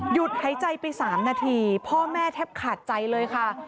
หายใจไป๓นาทีพ่อแม่แทบขาดใจเลยค่ะ